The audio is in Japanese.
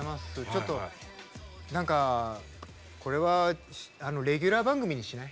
ちょっと何かこれはレギュラー番組にしない？